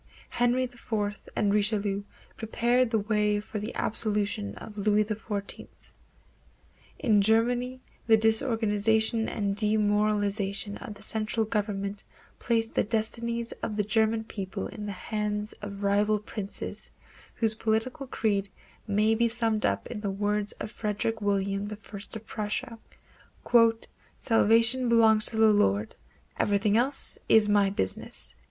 Henry IV and Richelieu prepared the way for the absolutism of Louis XIV. In Germany the disorganization and demoralization of the central government placed the destinies of the German people in the hands of rival princes, whose political creed may be summed up in the words of Frederick William I of Prussia, "Salvation belongs to the Lord; everything else is my business."